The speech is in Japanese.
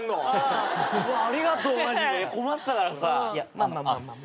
まあまあまあまあ。